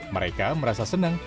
mereka merasa senang